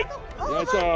よいしょー。